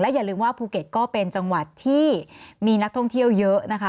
อย่าลืมว่าภูเก็ตก็เป็นจังหวัดที่มีนักท่องเที่ยวเยอะนะคะ